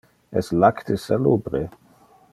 Es lacte salubre?